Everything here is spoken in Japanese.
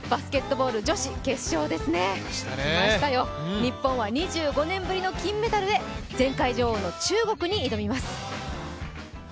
バスケットボール女子、決勝ですね日本は２５年ぶりの金メダルへ前回女王の中国に挑みます。